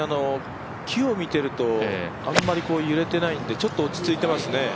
木を見ていると、あまり揺れていないんでちょっと落ち着いてますね。